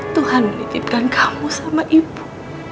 tuhan menitipkan kamu sama ibu